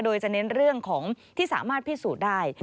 โดยจะเน้นเรื่องของที่สามารถพิสูจน์ได้